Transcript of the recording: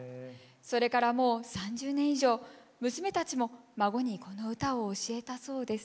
それからもう３０年以上娘たちも孫にこの歌を教えたそうです。